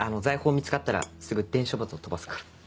見つかったらすぐ伝書鳩飛ばすから。